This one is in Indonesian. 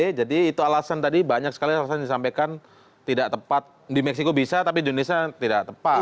oke jadi itu alasan tadi banyak sekali alasan yang disampaikan tidak tepat di meksiko bisa tapi di indonesia tidak tepat